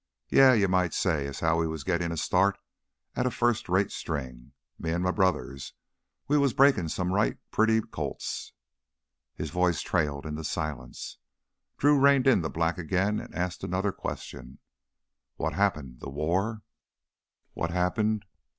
Yeah, you might say as how we was gittin' a start at a first rate string. Me an' m' brothers, we was breakin' some right pretty colts..." His voice trailed into silence. Drew reined in the black again and asked another question: "What happened ... the war?" "What happened?